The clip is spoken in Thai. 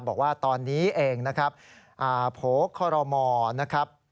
บอกว่าตอนนี้เองนะครับโผล่คอรมอนะครับ